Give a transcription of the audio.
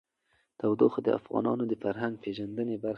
تودوخه د افغانانو د فرهنګي پیژندنې برخه ده.